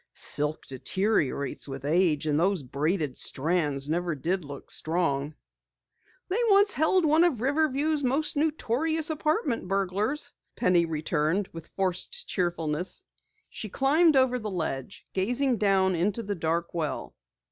"Silk deteriorates with age, and those braided strands never did look strong." "They once held one of Riverview's most notorious apartment house burglars," Penny returned with forced cheerfulness. She climbed over the ledge, gazing down into the dark well.